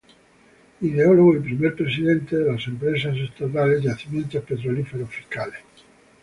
Ideólogo y primer presidente de la empresa estatal Yacimientos Petrolíferos Fiscales.